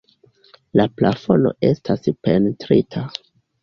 La plafono estas pentrita.